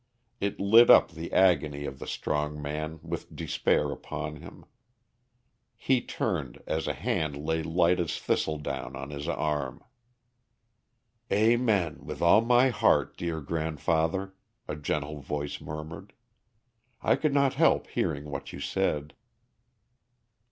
It lit up the agony of the strong man with despair upon him. He turned as a hand lay light as thistledown on his arm. "Amen with all my heart, dear grandfather," a gentle voice murmured. "I could not help hearing what you said."